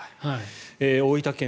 大分県